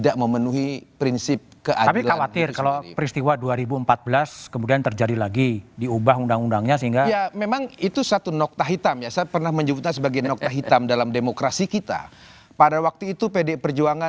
kita bahas setelah jeda berikut ini